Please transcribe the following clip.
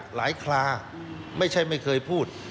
คลาไม่ใช่ไม่เคยพูด